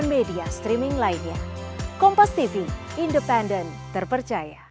bertetap pada keterangan semua ya